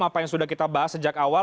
apa yang sudah kita bahas sejak awal